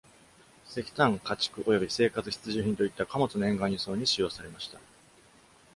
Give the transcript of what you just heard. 石炭、家畜、および生活必需品といった貨物の沿岸輸送に使用されました。